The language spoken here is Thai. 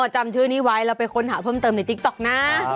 จำชื่อนี้ไว้แล้วไปค้นหาเพิ่มเติมในติ๊กต๊อกนะ